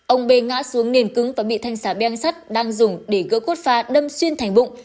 ông b ngã xuống nền cứng và bị thanh xà beng sắt đang dùng để gỡ cốt pha đâm xuyên thành bụng